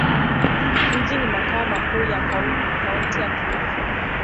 Mji ni makao makuu ya Kaunti ya Kilifi.